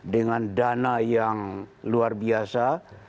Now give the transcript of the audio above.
dengan dana yang luar biasa